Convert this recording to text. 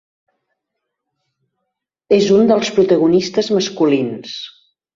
És un dels protagonistes masculins.